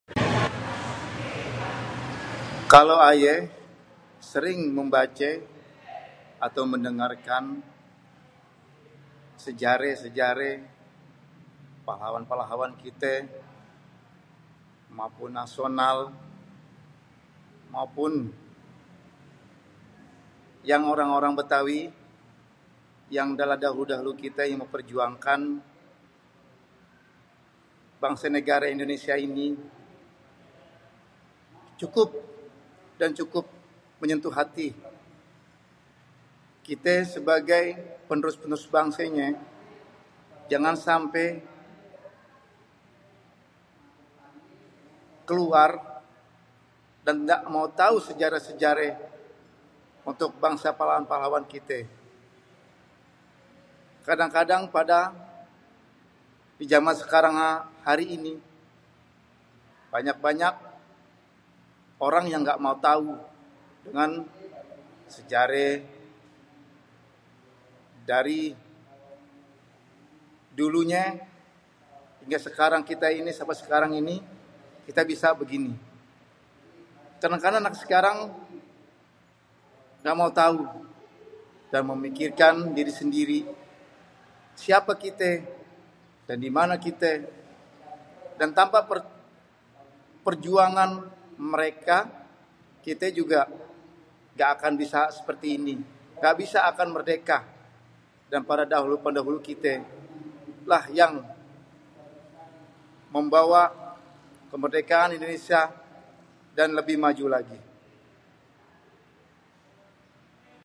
Kalo ayé sering membacé atau mendengarkan sejaré-sejaré pahlawan-pahlawan kité maupun nasional, maupun yang orang-orang Bétawi, yang dahulu-dahulu kite memperjuangkan bangsé negaré indonesia ini, cukup dan cukup menyentuh hati. Kité sebagai penerus-penerus bangsenyé jangan sampe keluar dan engga mau tau sejaré-sejaré untuk bangsé dan pahlawan-pahlawan kité. Kadang-kadang pada di zaman sekarang hari ini, banyak-banyak orang yang gamau tau dengan sejaré dari dulunya hingga sekarang ini sampe sekarang ini kita bisa begini. Kadang-kadang anak sekarang gamau tau dan memikirkan diri sendiri. Siape kité dari mané kité, dan tanpa perjuangan mereka kité juga engga akan bisa seperti ini engga bisa akan merdeka dari pendahulu-pendahulu kité yang membawa kemerdekaan Indonesia dan lebih maju lagi.